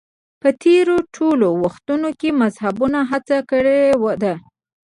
په تېرو ټولو وختونو کې مذهبیونو هڅه کړې ده